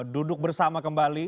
duduk bersama kembali